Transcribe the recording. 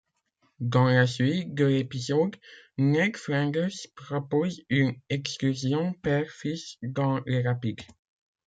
Dans la suite de l'épisode, Ned Flanders propose une excursion père-fils dans les rapides.